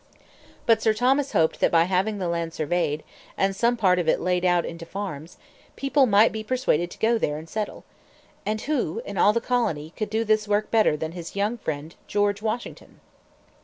But Sir Thomas hoped that by having the land surveyed, and some part of it laid out into farms, people might be persuaded to go there and settle. And who in all the colony could do this work better than his young friend, George Washington?